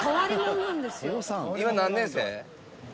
今何年生？